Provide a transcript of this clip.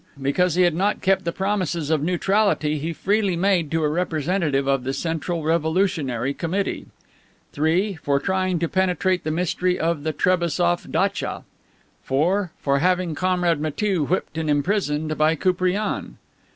Because he had not kept the promises of neutrality he freely made to a representative of the Central Revolutionary Committee. 3. For trying to penetrate the mystery of the Trebassof datcha. 4. For having Comrade Matiew whipped and imprisoned by Koupriane.